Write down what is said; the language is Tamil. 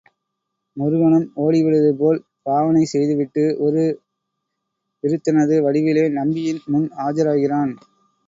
முருகனும் ஓடிவிடுவது போல் பாவனை செய்து விட்டு ஒரு விருத்தனது வடிவிலே நம்பியின் முன் ஆஜராகிறான்.